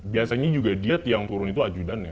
biasanya juga dilihat yang turun itu ajudannya